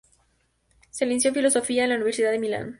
Se licenció en Filosofía en la Universidad de Milán.